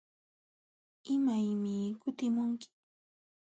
¿Imaymi kutimunki?